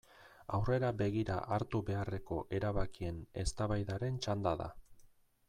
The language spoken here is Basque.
Aurrera begira hartu beharreko erabakien eztabaidaran txanda da.